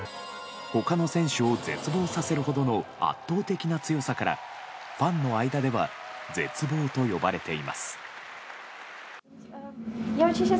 他の選手を絶望させるほどの圧倒的な強さからファンの間では絶望と呼ばれています。